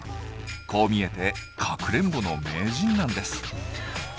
こう見えてかくれんぼの名人なんです。